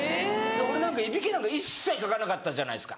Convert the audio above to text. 俺なんかいびきなんか一切かかなかったじゃないですか。